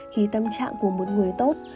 khi tâm trạng của một người tốt